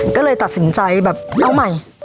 ก็เลยตัดสินใจแบบเอาใหม่